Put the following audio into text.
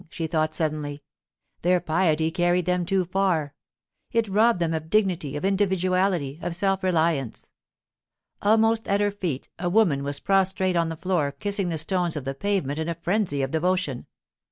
she thought suddenly. Their piety carried them too far; it robbed them of dignity, of individuality, of self reliance. Almost at her feet a woman was prostrate on the floor, kissing the stones of the pavement in a frenzy of devotion.